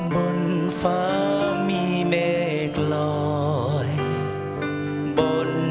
บทวงศาจยามดดดละก่อน